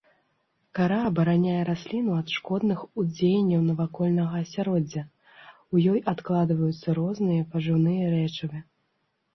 Кара абараняе расліну ад шкодных уздзеянняў навакольнага асяроддзя, у ёй адкладваюцца розныя пажыўныя рэчывы.